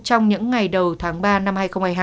trong những ngày đầu tháng ba năm hai nghìn hai mươi hai